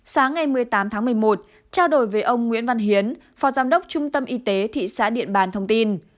sáng ngày một mươi tám tháng một mươi một trao đổi với ông nguyễn văn hiến phó giám đốc trung tâm y tế thị xã điện bàn thông tin